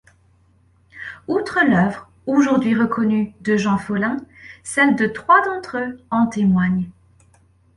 Outre l'œuvre, aujourd'hui reconnue, de Jean Follain, celle de trois d'entre eux en témoigne.